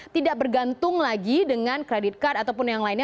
tidak bergantung lagi dengan credit card ataupun yang lainnya